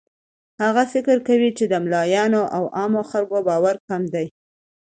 هغه فکر کاوه چې د ملایانو او عامو خلکو باور کم دی.